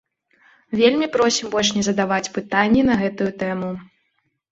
Вельмі просім больш не задаваць пытанні на гэтую тэму.